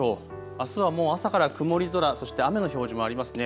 あすはもう朝から曇り空、そして雨の表示もありますね。